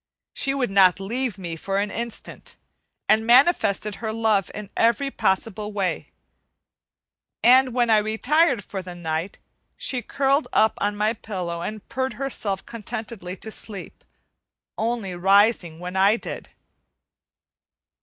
She would not leave me for an instant, and manifested her love in every possible way; and when I retired for the night, she curled up on my pillow and purred herself contentedly to sleep, only rising when I did.